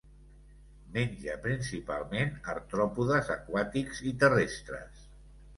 Menja principalment artròpodes aquàtics i terrestres.